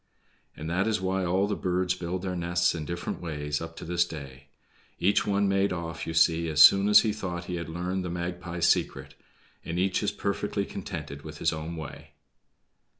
And that is why all the birds build their nests in different ways up to this day. Each one made off, you see, as soon as he thought he had learned the Magpie's secret, and each is perfectly contented with his own way.